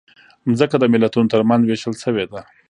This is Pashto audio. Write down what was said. مځکه د ملتونو ترمنځ وېشل شوې ده.